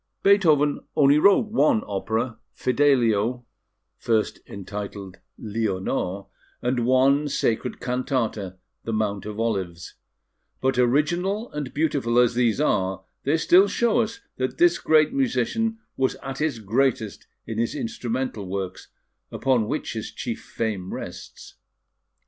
Beethoven only wrote one opera, Fidelio (first entitled Leonore), and one sacred cantata, The Mount of Olives; but, original and beautiful as these are, they still show us that this great musician was at his greatest in his instrumental works, upon which his chief fame rests.